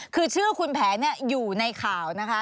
คือชื่อคุณแผนอยู่ในข่าวนะคะ